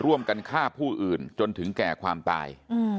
ร่วมกันฆ่าผู้อื่นจนถึงแก่ความตาย